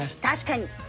確かに。